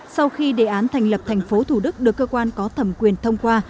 sau khi đề án thành lập tp thủ đức được cơ quan có thẩm quyền thông qua